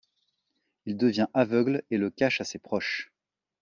Il devient aveugle et le cache à ses proches...